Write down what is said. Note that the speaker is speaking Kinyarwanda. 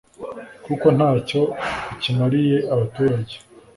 kuko ntacyo akimariye abaturage